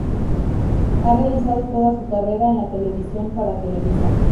Ha realizado toda su carrera en la televisión para Televisa.